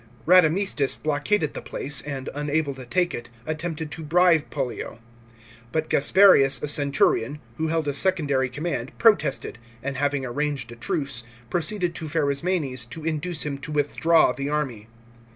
* Radamistus blockaded the place, and, unable to take it, attempted to bribe Pollio. But Casperius, a centurion, who held a secondary command, protested, and, having arranged a truce, proceeded to Pharasmanes, to induce him to withdraw the army.